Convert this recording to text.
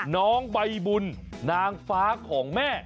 น้องใบบุญนางฟ้าของแม่